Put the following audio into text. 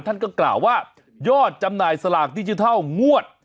ท่านก็กล่าวว่ายอดจำหน่ายสลากดิจิทัลงวด